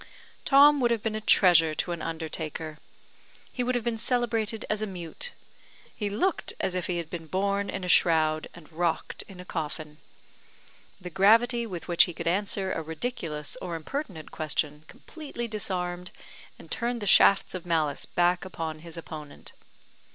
Tom would have been a treasure to an undertaker. He would have been celebrated as a mute; he looked as if he had been born in a shroud, and rocked in a coffin. The gravity with which he could answer a ridiculous or impertinent question completely disarmed and turned the shafts of malice back upon his opponent.